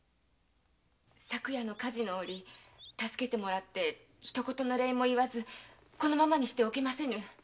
昨夜の火事のおり助けてもらって一言の礼も言わずこのままにしておけませぬ。